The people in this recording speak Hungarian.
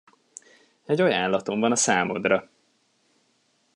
Egy ajánlatom van a számodra!